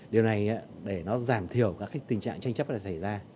điều này để nó giảm thiểu các tình trạng tranh chấp này xảy ra